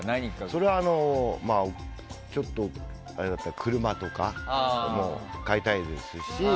それは、ちょっと車とか買いたいですし。